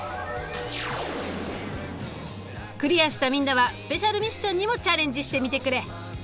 クリアしたみんなはスペシャルミッションにもチャレンジしてみてくれ。